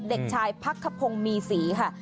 เด็กชายพักขพงศ์มีศรีค่ะ